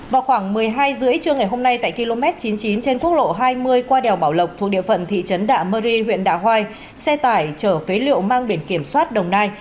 vào khoảng một mươi hai h ba mươi trưa ngày hôm nay tại km chín mươi chín trên quốc lộ hai mươi qua đèo bảo lộc thuộc địa phận thị trấn đạ mơ ri huyện đạ hoai xe tải chở phế liệu mang biển kiểm soát đồng nai